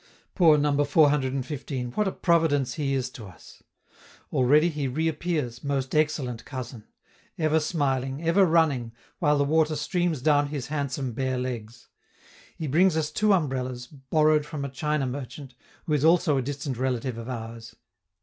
Poor Number 415, what a providence he is to us! Already he reappears, most excellent cousin! ever smiling, ever running, while the water streams down his handsome bare legs; he brings us two umbrellas, borrowed from a China merchant, who is also a distant relative of ours.